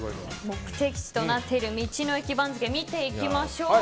目的地となっている道の駅番付見ていきましょう。